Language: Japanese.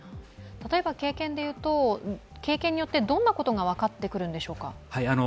例えば経験でいうと、経験によってどんなことが分かってくるんでしょうか。